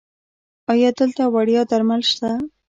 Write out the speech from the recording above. ایا دلته وړیا درمل شته؟